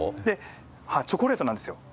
チョコレートなんですよ。